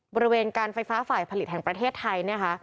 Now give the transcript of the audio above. บริเวณการไฟฟ้าฝ่ายผลิตแห่งประเทศไทยนะคะ